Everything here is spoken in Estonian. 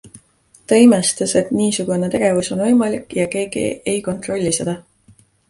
Ta imestas, et niisugune tegevus on võimalik ja keegi ei kontrolli seda.